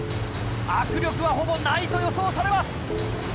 握力はほぼないと予想されます。